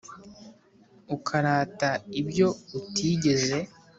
ukarata ibyo utigeze